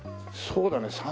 そうだね